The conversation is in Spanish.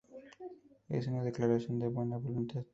Es sólo una declaración de buena voluntad.